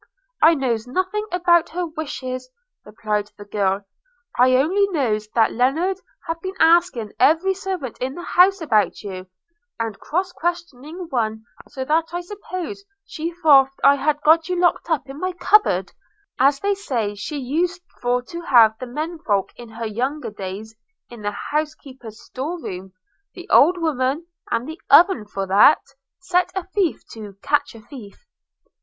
'I knows nothing about her wishes,' replied the girl; 'I only knows that Lennard have been asking every servant in the house about you, and cross questioning one so that I suppose she thoft I had got you locked up in my cupboard, as they say she used for to have the menfolk in her younger days in the housekeeper's store room. The old woman and the oven for that! Set a thief to catch a thief!'